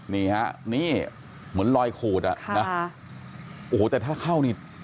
นี่ครับนี่เหมือนรอยโขดน่ะโอ้โฮแต่ถ้าเข้านี่